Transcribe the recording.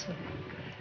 membangun kenangan baru